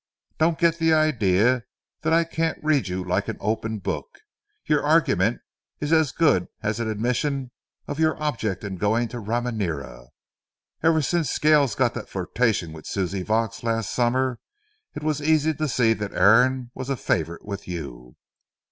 "Don't get the idea that I can't read you like an open book. Your argument is as good as an admission of your object in going to Ramirena. Ever since Scales got up that flirtation with Suzanne Vaux last summer, it was easy to see that Aaron was a favorite with you.